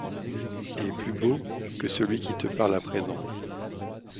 Et plus beau que celui qui te parle à présent